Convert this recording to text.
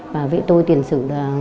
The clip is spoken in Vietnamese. và với tôi tiền sử